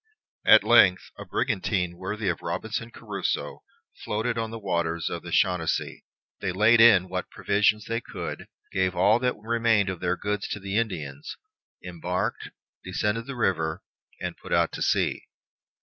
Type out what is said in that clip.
At length a brigantine worthy of Robinson Crusoe floated on the waters of the Chenonceau. They laid in what provision they could, gave all that remained of their goods to the Indians, embarked, descended the river, and put to sea.